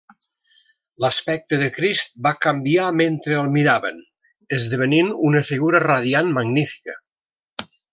L'aspecte de Crist va canviar mentre el miraven esdevenint una figura radiant magnífica.